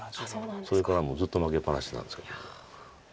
それからもうずっと負けっぱなしなんですけども。